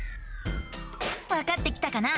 わかってきたかな？